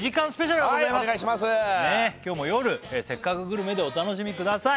今日も夜「せっかくグルメ！！」でお楽しみください